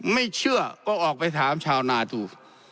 ไม่เชื่อก็ออกไปถามชาวนาดู